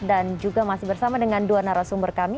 dan juga masih bersama dengan dua narasumber kami